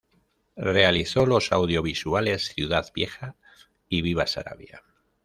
Realizó los audiovisuales "Ciudad Vieja" y "Viva Saravia".